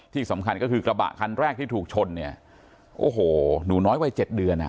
ที่สำคัญก็คือกระบะคันแรกที่ถูกชนเนี่ยโอ้โหหนูน้อยวัยเจ็ดเดือนอ่ะ